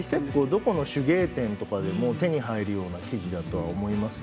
どこの手芸店でも手に入るような生地だとは思います。